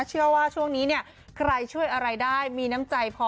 เชื่อว่าช่วงนี้เนี่ยใครช่วยอะไรได้มีน้ำใจพอ